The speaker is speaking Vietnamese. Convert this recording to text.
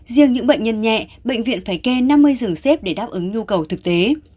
riêng những bệnh nhân nhẹ bệnh viện phải kê năm mươi giường xếp để đáp ứng nhu cầu thực tế